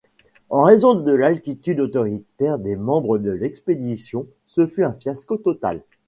En raison de l'attitude autoritaire des membres de l'expédition, ce fut un fiasco total.